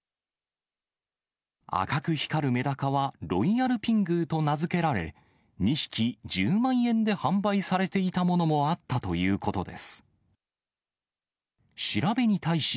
赤く光るメダカは、ロイヤルピングーと名付けられ、２匹１０万円で販売されていたものもあったということです。